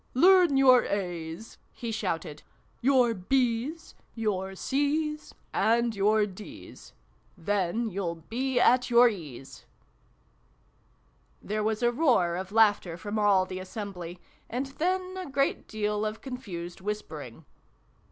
"Learn your A's!" he shouted. "Your B's! Your C's ! And your D's ! Then you'll be at your ease !" xx] GAMMON AND SPINACH. 325 There was a roar of laughter from all the assembly, and then a great deal of confused whispering.